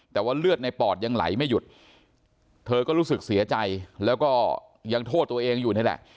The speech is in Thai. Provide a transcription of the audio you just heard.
แต่ว่าเลือดในปอดยังไหลไม่หยุดเธอก็รู้สึกเสียใจแล้วก็ยังโทษตัวเองอยู่นี่แหละ